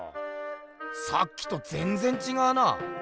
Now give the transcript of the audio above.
さっきとぜんぜん違うな。